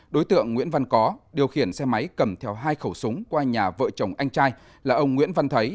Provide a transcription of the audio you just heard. đối tượng nguyễn văn có điều khiển xe máy cầm theo hai khẩu súng qua nhà vợ chồng anh trai là ông nguyễn văn thấy